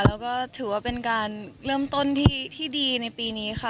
แล้วก็ถือว่าเป็นการเริ่มต้นที่ดีในปีนี้ค่ะ